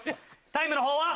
タイムのほうは。